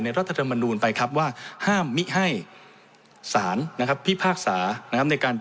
ในรัฐธรรมนูลไปครับว่า